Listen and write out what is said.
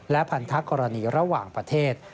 และพันธกรณีระหว่างประเทศ